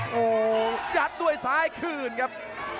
โอ้โหยัดด้วยซ้ายคืนครับ